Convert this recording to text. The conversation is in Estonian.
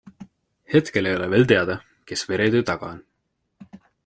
Hetkel ei ole veel teada, kes veretöö taga on.